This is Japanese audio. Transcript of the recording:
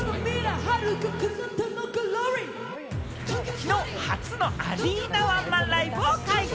きのう初のアリーナワンマンライブを開催。